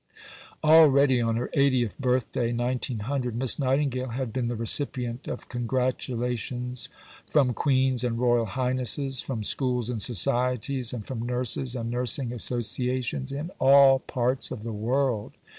Already on her 80th birthday (1900), Miss Nightingale had been the recipient of congratulations from Queens and Royal Highnesses, from schools and societies, and from nurses and nursing associations in all parts of the world.